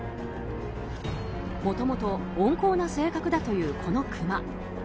もともと温厚な性格だというこのクマ。